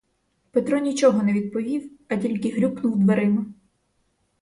Петро нічого не відповів, а тільки грюкнув дверима.